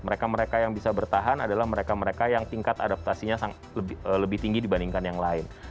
mereka mereka yang bisa bertahan adalah mereka mereka yang tingkat adaptasinya lebih tinggi dibandingkan yang lain